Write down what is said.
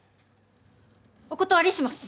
お断りします！